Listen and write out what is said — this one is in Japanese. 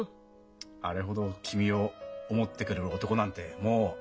あれほど君を思ってくれる男なんてもう現れないぞ。